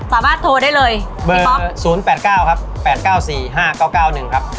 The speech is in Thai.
สามารถโทรได้เลยพี่ป๊อก๐๘๙ครับ๘๙๔๕๙๙๑ครับ